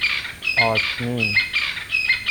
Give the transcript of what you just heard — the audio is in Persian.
آتمین